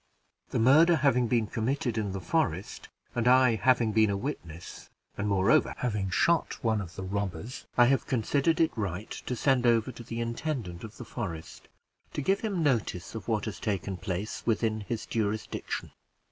The murder having been committed in the forest, and I having been a witness and, moreover, having shot one of the robbers, I have considered it right to send to the intendant of the forest, to give him notice of what has taken place within his jurisdiction.